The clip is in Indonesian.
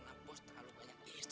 masyarakat itu bisa dipikir pikir